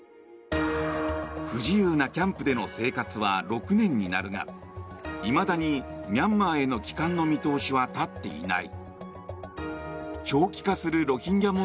不自由なキャンプでの生活は６年になるがいまだにミャンマーへの帰還の見通しは立っていない。